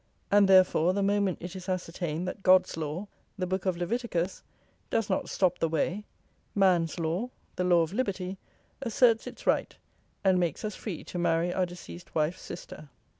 And, therefore, the moment it is ascertained that God's law, the Book of Leviticus, does not stop the way, man's law, the law of liberty, asserts its right, and makes us free to marry our deceased wife's sister.